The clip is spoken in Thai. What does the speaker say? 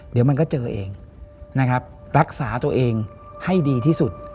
เดี๋ยวมันก็เจอเองนะครับรักษาตัวเองให้ดีที่สุด